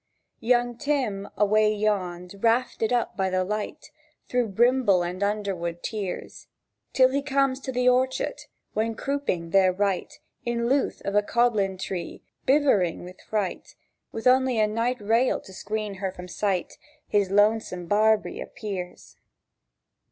Young Tim away yond, rafted up by the light, Through brimble and underwood tears, Till he comes to the orchet, when crooping thereright In the lewth of a codlin tree, bivering wi' fright, Wi' on'y her night rail to screen her from sight, His lonesome young Barbree appears.